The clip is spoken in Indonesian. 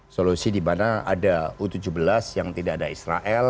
solusi di mana ada u tujuh belas yang tidak ada israel